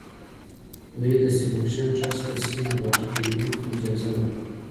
دوی د سیلکشن ټرست له سیمې بهر کیندونکو ته اجازه ورکړه.